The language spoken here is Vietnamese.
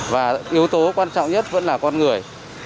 và yếu tố quan trọng nhất vẫn là con người